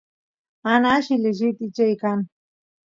mana alli lechit ichay kan